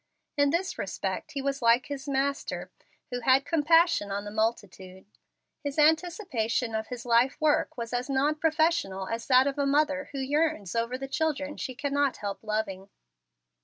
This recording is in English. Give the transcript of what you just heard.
In this respect he was like his Master, who had "compassion on the multitude." His anticipation of his life work was as non professional as that of a mother who yearns over the children she cannot help loving.